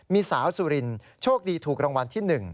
มีสาวสุรินโชคดีถูกรางวัลที่๑